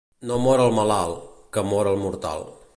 No mor el malalt, que mor el mortal.